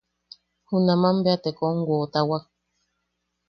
Junaman bea te kom woʼotawak.